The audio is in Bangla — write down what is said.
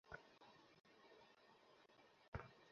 আমার নিজের কোনো সন্দেহ নেই, প্রতি ম্যাচেই আমি নিজের সেরাটা ঢেলে দিই।